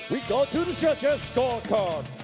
ไปกันกันกันกันกัน